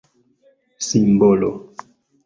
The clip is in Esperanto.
simbolo